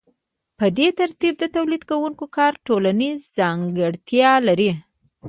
په دې ترتیب د تولیدونکي کار ټولنیزه ځانګړتیا لري